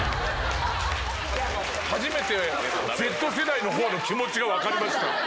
初めて、Ｚ世代のほうの気持ちが分かりました。